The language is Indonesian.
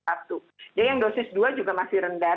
jadi yang dosis dua juga masih rendah